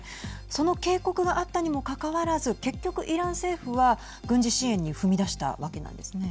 その警告があったにもかかわらず結局イラン政府は軍事支援に踏み出したわけなんですね。